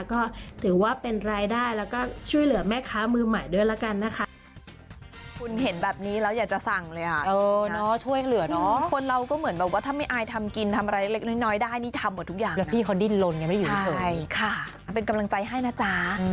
ก็ถือว่าเป็นรายได้แล้วก็ช่วยเหลือแม่ค้ามือใหม่ด้วยแล้วกันนะคะ